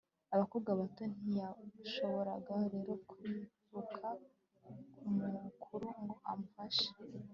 abakobwa bato. ntiyashoboraga rero kwiruka ku mukuru ngo amufashe